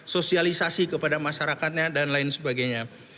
sosialisasi kepada masyarakatnya dan lain sebagainya